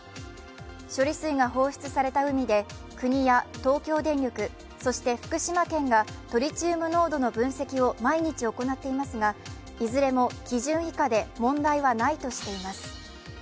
処理水が放出された海で国や東京電力そして福島県がトリチウム濃度の分析を毎日行っていますがいずれも基準以下で問題はないとしています。